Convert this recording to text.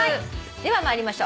では参りましょう。